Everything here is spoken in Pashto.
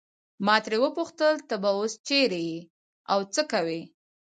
ما ترې وپوښتل ته به اوس چیرې یې او څه کوې.